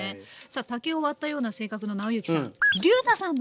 さあ竹を割ったような性格の尚之さん。